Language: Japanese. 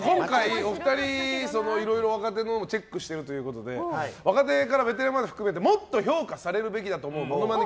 お二人、いろいろ若手をチェックしているということで若手からベテランまで含めてもっと評価されるべきというモノマネ